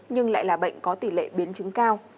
nhưng lại là bệnh có tỷ lệ biến chứng cao